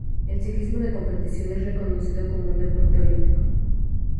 El ciclismo de competición es reconocido como un deporte olímpico.